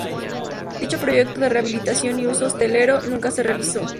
Dicho proyecto de rehabilitación y uso hostelero nunca se realizó.